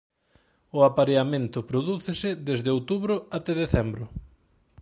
O apareamento prodúcese desde outubro até decembro.